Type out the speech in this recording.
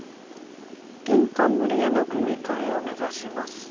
銀冠への組み替えを目指します。